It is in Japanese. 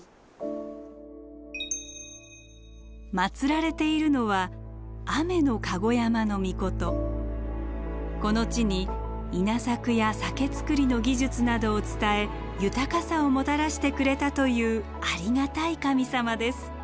祀られているのはこの地に稲作や酒造りの技術などを伝え豊かさをもたらしてくれたというありがたい神様です。